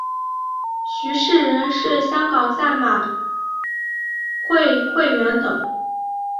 许仕仁是香港赛马会会员等。